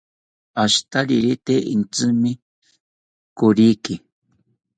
Ashitariri tee itrsimi koriki